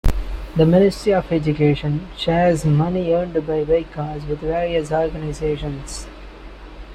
The Ministry of Education shares money earned by Veikkaus with various organizations.